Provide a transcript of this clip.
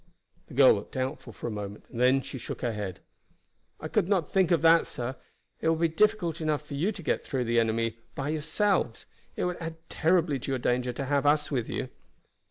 The girl looked doubtful for a moment, and then she shook her head. "I could not think of that, sir. It would be difficult enough for you to get through the enemy by yourselves It would add terribly to your danger to have us with you."